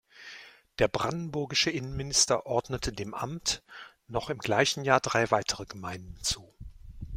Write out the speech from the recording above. Der brandenburgische Innenminister ordnete dem Amt noch im gleichen Jahr drei weitere Gemeinden zu.